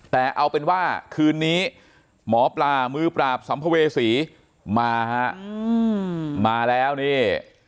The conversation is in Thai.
แต่เอาเป็นว่าคืนนี้หมอปลามือปราบสัมภเวษีมาฮะมาแล้วนี่